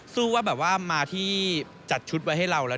ว่าแบบว่ามาที่จัดชุดไว้ให้เราแล้ว